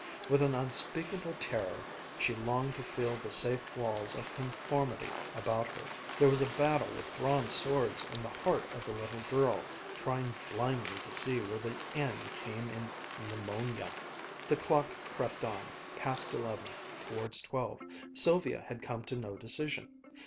With an unspeakable terror she longed to feel the safe walls of conformity about her. There was a battle with drawn swords in the heart of the little girl trying blindly to see where the n came in "pneumonia." The clock crept on, past eleven, towards twelve. Sylvia had come to no decision.